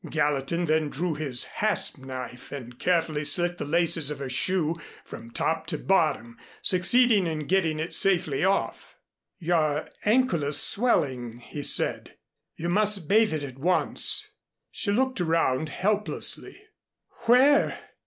Gallatin then drew his hasp knife and carefully slit the laces of her shoe from top to bottom, succeeding in getting it safely off. "Your ankle is swelling," he said. "You must bathe it at once." She looked around helplessly. "Where?"